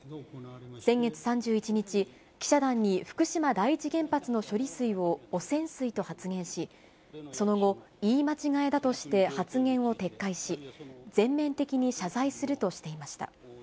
先月３１日、記者団に福島第一原発の処理水を汚染水と発言し、その後、言い間違えだとして発言を撤回し、全面的に謝罪するとしていました。